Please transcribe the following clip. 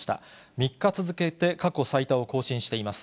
３日続けて過去最多を更新しています。